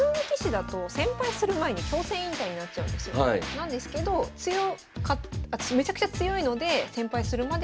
なんですけどめちゃくちゃ強いので１，０００敗するまで。